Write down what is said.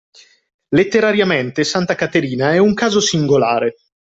Letterariamente santa Caterina è un caso singolare.